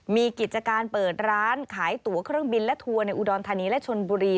มีกิจการเปิดร้านขายตัวเครื่องบินและทัวร์ในอุดรธานีและชนบุรี